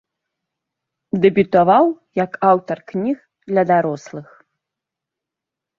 Дэбютаваў як аўтар кніг для дарослых.